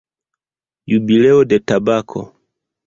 Jubileo de tabako.